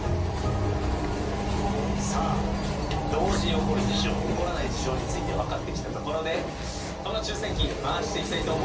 さあ同時に起こる事象起こらない事象について分かってきたところでこの抽選器回していきたいと思います。